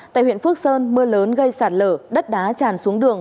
tại huyện phước sơn mưa lớn gây sạt lở đất đá tràn xuống đường